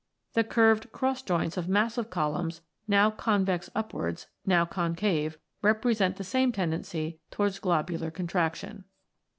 The curved cross joints of massive columns, now convex upwards, now concave, represent the same tendency towards globular contraction.